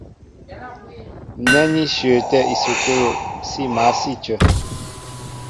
Nɛ́ ní shyəətɛ́ ísukúlu, sí mǎl sí a cə.